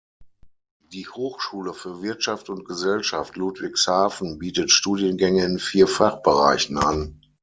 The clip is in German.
Die Hochschule für Wirtschaft und Gesellschaft Ludwigshafen bietet Studiengänge in vier Fachbereichen an.